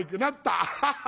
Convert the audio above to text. アッハハ！